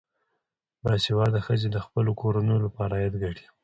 باسواده ښځې د خپلو کورنیو لپاره عاید ګټي.